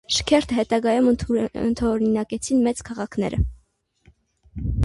Շքերթը հետագայում ընդօրինակեցին մեծ քաղաքները։